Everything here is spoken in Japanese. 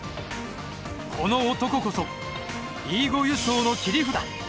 この男こそＥ５輸送の切り札